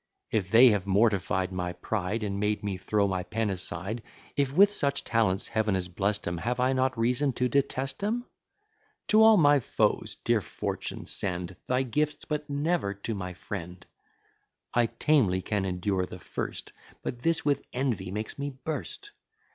If they have mortify'd my pride, And made me throw my pen aside; If with such talents Heav'n has blest 'em, Have I not reason to detest 'em? To all my foes, dear Fortune, send Thy gifts; but never to my friend: I tamely can endure the first; But this with envy makes me burst.